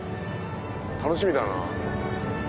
楽しみだな。